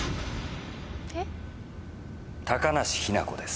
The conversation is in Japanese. えっ？高梨雛子です。